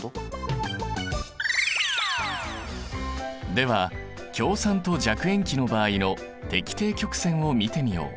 では強酸と弱塩基の場合の滴定曲線を見てみよう。